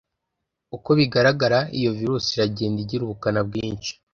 uko bigaragara iyo virusi iragenda igira ubukana bwinshi,